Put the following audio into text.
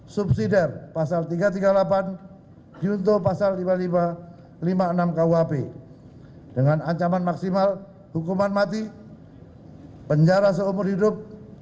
subsidi pasal tiga ratus tiga puluh delapan junto pasal lima ribu lima ratus lima puluh enam kuhp dengan ancaman maksimal hukuman mati penjara seumur hidup